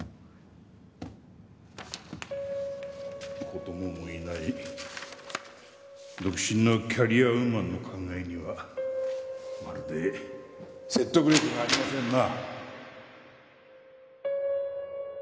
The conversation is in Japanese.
子供もいない独身のキャリアウーマンの考えにはまるで説得力がありませんな。